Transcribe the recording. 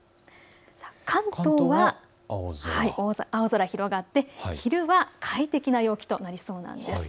関東は青空広がって昼は快適な陽気となりそうなんです。